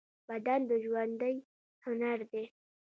بدن د ژوندۍ هنر دی.